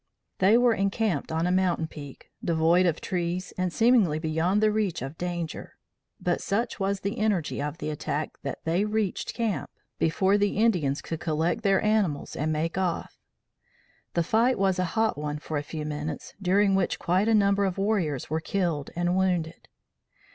They were encamped on a mountain peak, devoid of trees, and seemingly beyond the reach of danger; but such was the energy of the attack that they reached camp before the Indians could collect their animals and make off. The fight was a hot one for a few minutes during which quite a number of warriors were killed and wounded.